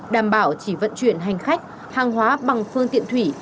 đảm bảo chỉ vận chuyển hành khách hàng hóa bằng phương tiện thủy